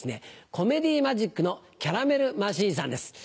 コメディーマジックのキャラメルマシーンさんです。